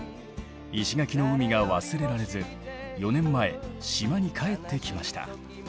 石垣の海が忘れられず４年前島に帰ってきました。